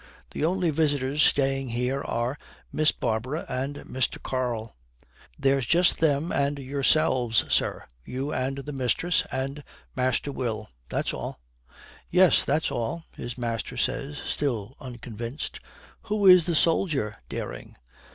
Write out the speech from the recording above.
The only visitors staying here are Miss Barbara and Mr. Karl. There's just them and yourselves, sir, you and the mistress and Master Will. That's all.' 'Yes, that's all,' his master says, still unconvinced. 'Who is the soldier, Dering?'